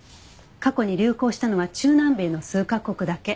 過去に流行したのは中南米の数カ国だけ。